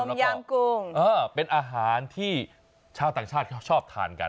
ใช่ต้มยำกุอ่าเป็นอาหารที่ชาวต่างชาติเขาชอบทานกัน